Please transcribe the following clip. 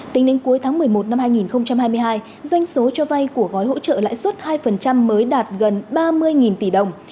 tính đến cuối tháng một mươi một năm hai nghìn hai mươi hai doanh số cho vay của gói hỗ trợ lãi suất hai mới đạt gần ba mươi tỷ đồng